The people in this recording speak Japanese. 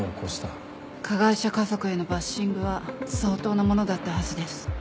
加害者家族へのバッシングは相当なものだったはずです。